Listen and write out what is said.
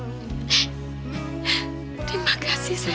terima kasih sayang